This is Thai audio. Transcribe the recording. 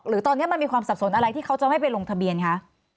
หรือตอนนี้มันมีความสับสนอะไรที่เขาจะไม่ไปลงทะเบียนคะ